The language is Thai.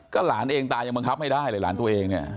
ก็หลานเองตายังบังคับไม่ได้เลยหลานตัวเองเนี่ย